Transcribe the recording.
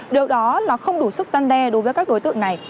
điều đó là không đủ sức gian đe đối với các đối tượng này